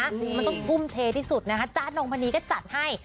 มันต้องทุ่มเทที่สุดนะคะจ๊ะนงพนีก็จัดให้